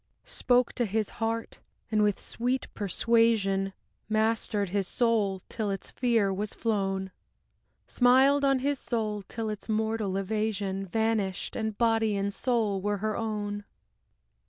Spoke to his heart, and with sweet persuasion Mastered his soul till its fear was flown; Smiled on his soul till its mortal evasion Vanished, and body and soul were her own.